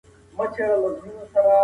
حقیقت باید ومنل سي.